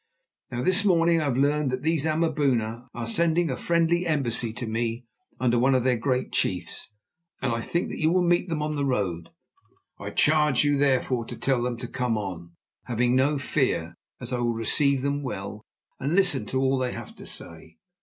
Now, this morning I have learned that these Amaboona are sending a friendly embassy to me under one of their great chiefs, and I think that you will meet them on the road. I charge you, therefore, to tell them to come on, having no fear, as I will receive them well and listen to all they have to say."